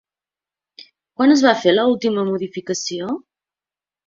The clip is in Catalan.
Quan es va fer l'última modificació?